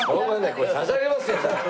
これ差し上げますよ。